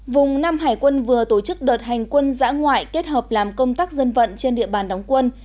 vùng năm hải quân vừa tổ chức đợt hành quân giã ngoại kết hợp làm công tác dân vận trên địa bàn đóng quân